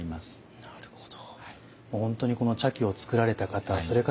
なるほど。